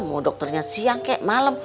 mau dokternya siang kayak malem